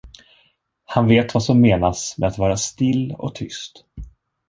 Han vet vad som menas med att vara still och tyst.